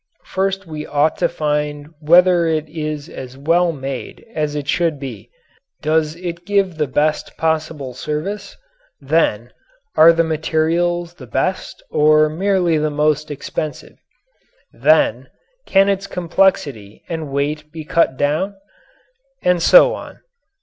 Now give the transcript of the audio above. First we ought to find whether it is as well made as it should be does it give the best possible service? Then are the materials the best or merely the most expensive? Then can its complexity and weight be cut down? And so on.